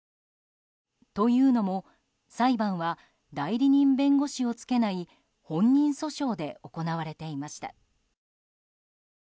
というのも、裁判は代理人弁護士をつけない本人訴訟で行われていました。